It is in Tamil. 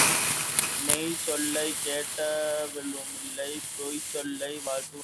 மெய்ச்சொல்லிக் கெட்டவனுமில்லை பொய்சொல்லி வாழ்ந்தவனுமில்லை.